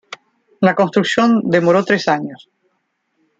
La construcción demoró tres años.